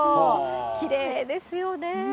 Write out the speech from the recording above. きれいですよね。